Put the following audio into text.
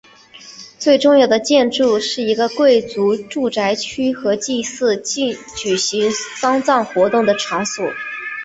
最重要的建筑是一个贵族住宅区和祭司举行丧葬活动的场所。